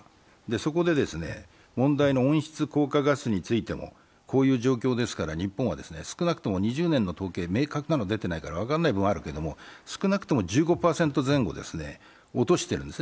そこで問題の温室効果ガスについてもこういう状況ですから、日本は少なくとも２０年の統計、明確なの出てないから、分からない部分あるけど、少なくとも１５％前後落としてるんです。